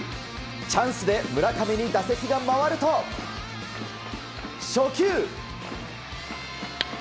チャンスで村上に打席が回ると初球。